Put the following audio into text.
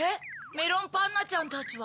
メロンパンナちゃんたちは？